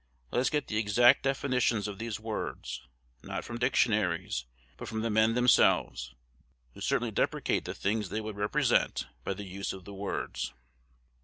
Let us get the exact definitions of these words, not from dictionaries, but from the men themselves, who certainly deprecate the things they would represent by the use of the words.